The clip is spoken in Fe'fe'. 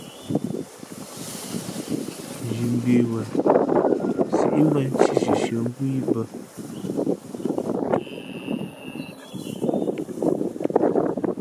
Nzhi mbe wen síʼmbᾱ nthī sʉsʉά mbú ī bᾱ.